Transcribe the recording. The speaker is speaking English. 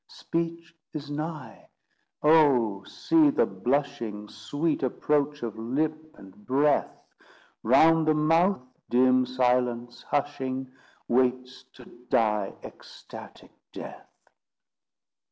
Speech is nigh; oh, see the blushing, Sweet approach of lip and breath! Round the mouth dim silence, hushing, Waits to die ecstatic death.